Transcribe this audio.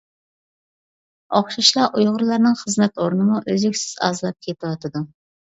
ئوخشاشلا ئۇيغۇرلارنىڭ خىزمەت ئورنىمۇ ئۆزلۈكسىز ئازلاپ كېتىۋاتىدۇ.